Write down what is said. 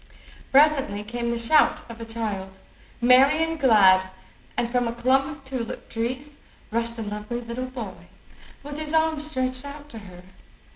Presently came the shout of a child, merry and glad, and from a clump of tulip trees rushed a lovely little boy, with his arms stretched out to her.